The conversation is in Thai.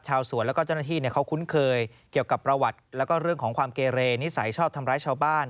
ชาวสวนแล้วก็เจ้าหน้าที่เขาคุ้นเคยเกี่ยวกับประวัติแล้วก็เรื่องของความเกเรนิสัยชอบทำร้ายชาวบ้าน